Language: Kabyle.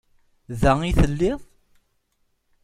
Da i telliḍ?